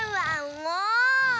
もう！